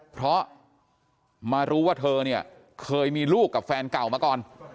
เพราะมารู้ว่าเธอเนี่ยเคยมีลูกกับแฟนเก่ามาก่อน